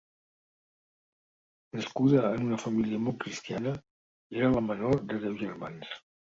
Nascuda en una família molt cristiana, era la menor de deu germans.